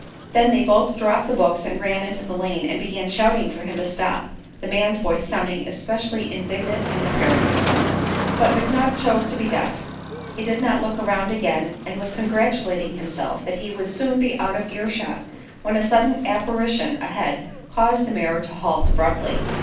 Then they both dropped the books and ran into the lane and began shouting for him to stop the man's voice sounding especially indignant and imperative. But McNutt chose to be deaf. He did not look around again, and was congratulating himself that he would soon be out of earshot when a sudden apparition ahead caused the mare to halt abruptly.